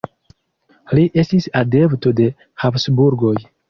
Li estis adepto de Habsburgoj.